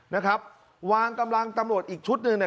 นะครับวางกำลังตำรวจอีกชุดหนึ่งเนี่ย